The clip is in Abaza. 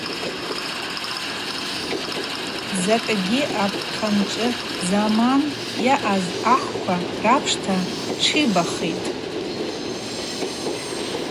Закӏгьи апхъанчӏви заман йаъаз ахӏква рапшта тшибахитӏ.